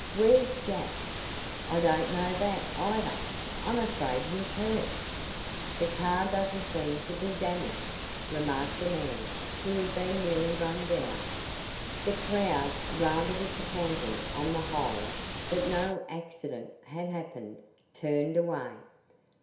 "Where's Jack?" "I don't know that, either. I'm afraid he's hurt." "The car doesn't seem to be damaged," remarked a man who had been nearly run down. The crowd, rather disappointed, on the whole, that no accident had happened, turned away.